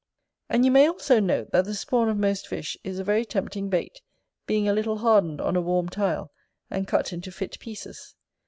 And you may also note, that the SPAWN of most fish is a very tempting bait, being a little hardened on a warm tile and cut into fit pieces.